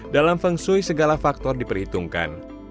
dalam feng shui segala faktor diperhitungkan